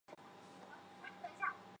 这个是给小孩吃的